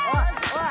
おい。